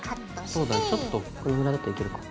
そうだねちょっとこれぐらいだといけるか。